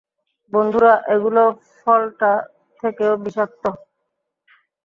বন্ধুরা, এগুলো ফলটা থেকেও বিষাক্ত।